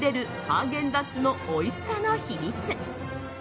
ハーゲンダッツのおいしさの秘密。